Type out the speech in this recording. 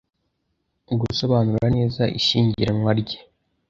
ugusobanura neza ishyingiranwa rye